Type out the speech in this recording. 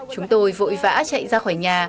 chúng tôi vội vã chạy ra khỏi nhà